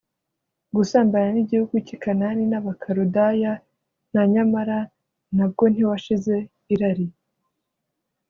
gusambana n igihugu cy i Kanani n Abakaludaya n nyamara nabwo ntiwashize irari